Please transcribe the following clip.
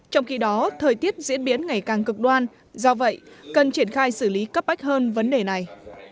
trong khi đó thời tiết diễn biến ngày càng cực đoan do vậy cần triển khai xử lý cấp bách hơn vấn đề này